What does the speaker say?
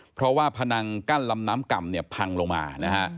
เพราะว่าพนังกั้นลำน้ำก่ำเนี่ยพังลงมานะฮะ